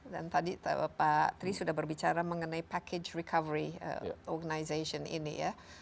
dan tadi pak tri sudah berbicara mengenai package recovery organization ini ya